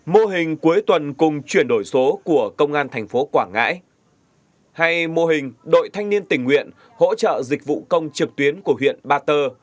mô hình cuối tuần cùng chuyển đổi số của công an thành phố quảng ngãi hay mô hình đội thanh niên tình nguyện hỗ trợ dịch vụ công trực tuyến của huyện ba tơ